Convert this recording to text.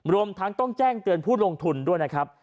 รวมทั้งต้องแจ้งเตือนผู้ลงทุนด้วยนะครับ